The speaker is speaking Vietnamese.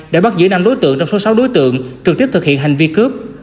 đã bắt giữ năm đối tượng trong số sáu đối tượng trực tiếp thực hiện hành vi cướp